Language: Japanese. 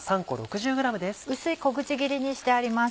薄い小口切りにしてあります。